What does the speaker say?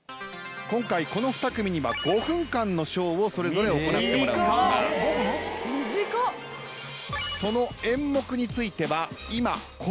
今回この２組には５分間のショーをそれぞれ行ってもらうんですがその演目については今この場で決めていただきます。